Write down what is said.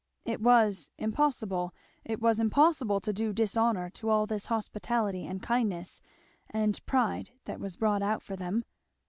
It was impossible, it was impossible, to do dishonour to all this hospitality and kindness and pride that was brought out for them.